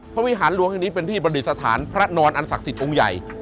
วิหารหลวงแห่งนี้เป็นที่ประดิษฐานพระนอนอันศักดิ์สิทธิ์องค์ใหญ่